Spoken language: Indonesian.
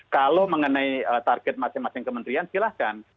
kalau mengenai target masing masing kementerian silahkan